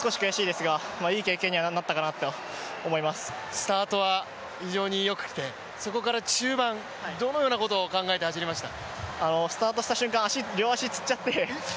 スタートは非常によくて、そこから中盤、どのようなことを考えて走りました？